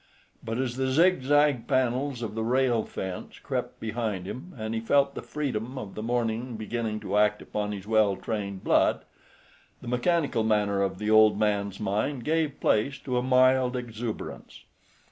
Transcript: But as the zigzag panels of the rail fence crept behind him, and he felt the freedom of the morning beginning to act upon his well trained blood, the mechanical manner of the old man's mind gave place to a mild exuberance.